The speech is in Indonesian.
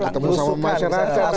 ketemu sama masyarakat